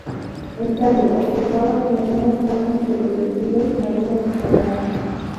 En cambio, observaba que algunas vainas de proyectiles habían estallado.